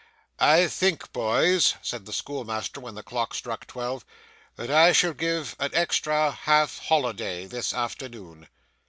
'I think, boys,' said the schoolmaster when the clock struck twelve, 'that I shall give an extra half holiday this afternoon.